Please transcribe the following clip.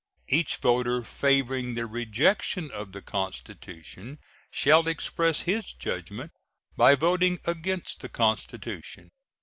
Each voter favoring the rejection of the constitution shall express his judgment by voting against the constitution.